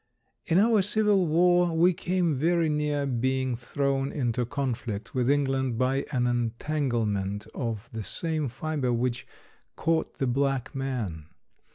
In our civil war we came very near being thrown into conflict with England by an entanglement of the same fiber which caught the black man.